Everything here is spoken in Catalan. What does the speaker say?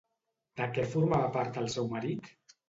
De què formava part el seu marit?